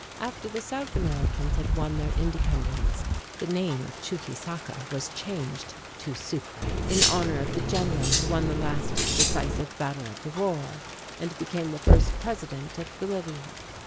After the South Americans had won their independence, the name of Chuquisaca was changed to Sucre, in honor of the general who won the last decisive battle of the war and then became the first president of Bolivia.